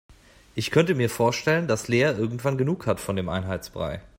Ich könnte mir vorstellen, dass Lea irgendwann genug hat von dem Einheitsbrei.